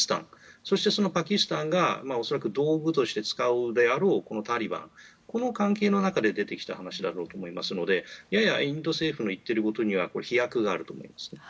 そのパキスタンが恐らく道具として使うであろうタリバン、この関係の中で出てきた話だろうと思いますのでややインド政府の言っていることには飛躍があると思います。